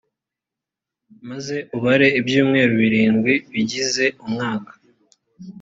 maze ubare ibyumweru birindwi bigize umwaka.